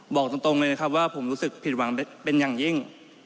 บอกตรงเลยนะครับว่าผมรู้สึกผิดหวังเป็นอย่างยิ่ง